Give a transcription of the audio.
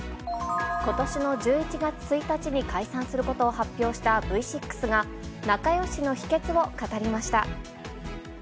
ことしの１１月１日に解散することを発表したＶ６が、仲よしの秘けつを語りました。